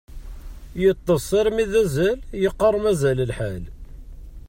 Yeṭṭes armi d azal, yeqqar mazal lḥal.